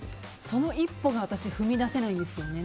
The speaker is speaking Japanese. その一歩が私、踏み出せないんですよね。